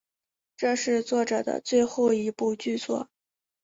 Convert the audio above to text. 这是作者的最后一部剧作。